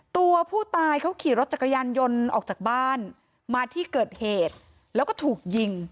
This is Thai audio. ตัวผู้ตายเขาขี่รถจักรยานยนต์ออกจากบ้านมาที่เกิดเหตุแล้วก็ถูกยิง